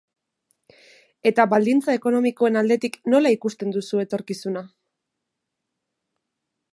Eta baldintza ekonomikoen aldetik, nola ikusten duzu etorkizuna?